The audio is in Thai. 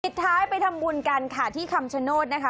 สุดท้ายไปทำบุญกันค่ะที่คำชโนธนะคะ